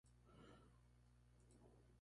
Nació en el condado de Vermilion, Illinois.